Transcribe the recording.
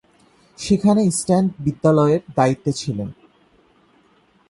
সেখানে স্ট্যান বিদ্যালয়ের দায়িত্বে ছিলেন।